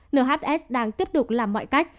nhs đang tiếp tục làm mọi cách